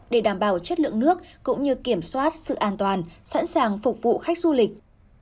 kiểm soát sự an toàn sẵn sàng phục vụ khách du lịch